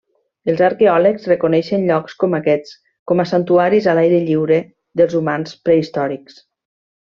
Els arqueòlegs reconeixen llocs com aquests com a santuaris a l'aire lliure dels humans prehistòrics.